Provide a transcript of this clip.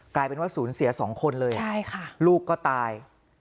กลายเป็นว่าศูนย์เสียสองคนเลยลูกก็ตาย